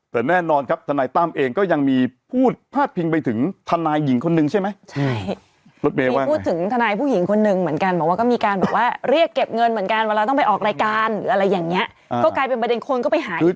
แต่แน่นอนครับทนายตั้มเองก็ยังมีพูดพาดพิงไปถึงทนายหญิงคนนึงใช่ไหมใช่มีพูดถึงทนายผู้หญิงคนนึงเหมือนกันบอกว่าก็มีการเรียกเก็บเงินเหมือนกันเวลาต้องไปออกรายการหรืออะไรอย่างนี้ก็กลายเป็นประเด็นคนก็ไปหาย